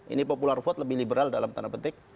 ini popular vote lebih liberal dalam tanda petik